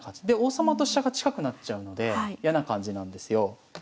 で王様と飛車が近くなっちゃうので嫌な感じなんですよ。